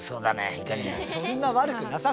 いやいやそんな悪くなさそうでしょ。